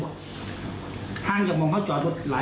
คัดคืนเขาเองตีหรือเปล่า